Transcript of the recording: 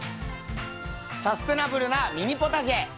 サステナブルなミニポタジェみんな。